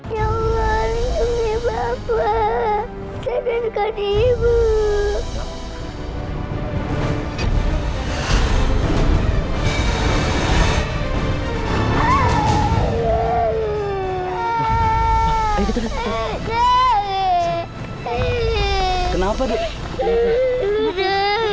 jangan lupa subscribe channel ini untuk dapat info terbaru